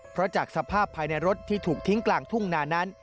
เพราะจากสภาพภายในรถที่ถูกทิ้งกลางทุ่งนานั้น